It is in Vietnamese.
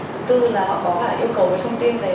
và thứ năm thì họ có yêu cầu về địa chỉ chính xác của mình